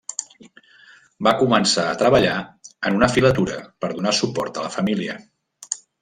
Va començar a treballar en una filatura per donar suport a la família.